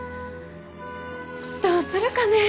どうするかね。